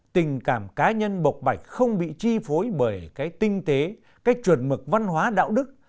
tình cảm cá nhân bộc bạch không bị chi phối bởi cái tinh tế cái chuẩn mực văn hóa đạo đức